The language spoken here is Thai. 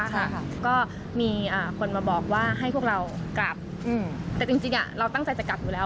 ค่ะก็มีอ่าคนมาบอกว่าให้พวกเรากลับอืมแต่จริงจริงอะเราตั้งใจจะกลับอยู่แล้ว